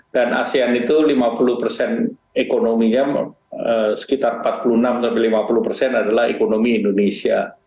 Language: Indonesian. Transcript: dan asean itu lima puluh persen ekonominya sekitar empat puluh enam sampai lima puluh persen adalah ekonomi indonesia